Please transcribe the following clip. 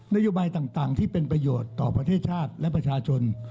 นโยบายต่างที่เป็นประโยชน์ต่อประเทศชาติและประชาชน